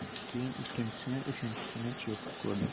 Keyin ikkinchisini, uchinchisini chertib ko‘rdim.